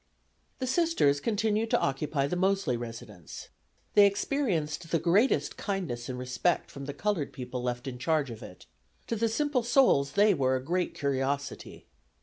The Sisters continued to occupy the Mosely residence. They experienced the greatest kindness and respect from the colored people left in charge of it. To the simple souls they were a great curiosity.